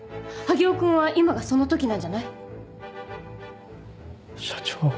萩尾君は今がその時なんじゃない？社長。